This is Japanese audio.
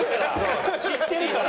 知ってるから！